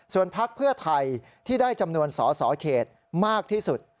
ส่วนพักเพื่อไทยที่ได้จำนวนสอสอเขตมากที่สุด